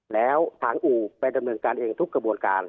แล้วทางอู่ไปดำเนินการเองทุกกระบวนการ